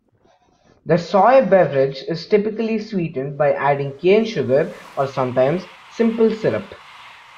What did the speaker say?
The soy beverage is typically sweetened by adding cane sugar or, sometimes, simple syrup.